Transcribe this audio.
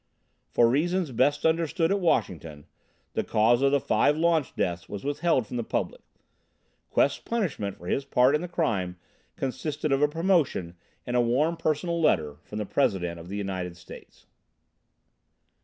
For reasons best understood at Washington, the cause of the five launch deaths was withheld from the public. Quest's punishment for his part in the crime consisted of a promotion and a warm personal letter from the President of the United States.